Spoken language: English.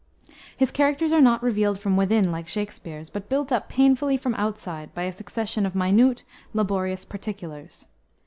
His characters are not revealed from within, like Shakspere's, but built up painfully from outside by a succession of minute, laborious particulars.